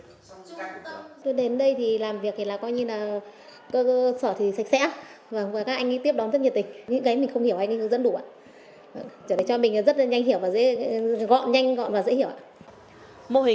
đến đây thì làm việc thì là coi như là cơ sở thì sạch sẽ và các anh ấy tiếp đón rất nhiệt tình những cái mình không hiểu anh ấy rất đủ cho mình rất là nhanh hiểu và dễ gọn nhanh gọn và dễ hiểu